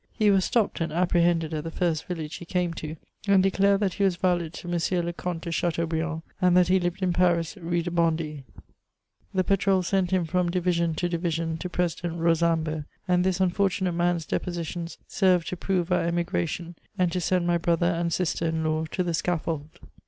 He was stopped and apprehended at the first village he came to, and declared that he was valet to M. le Comte de Chateau briand, and that he lived in Paris, Rue de Bondy. The patrol CHATEAUBRIAND. 333 sent him &om diyision to diyision to President Rosambo; and this unfortunate man's d^ositions served to prove our emigration, and to send my brother and sister in law to the scaffold.